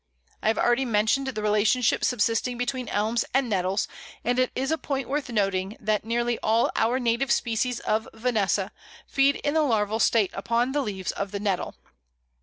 I have already mentioned the relationship subsisting between Elms and Nettles, and it is a point worth noting that nearly all our native species of Vanessa feed in the larval state upon the leaves of the Nettle.